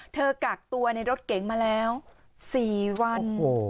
กักตัวในรถเก๋งมาแล้ว๔วัน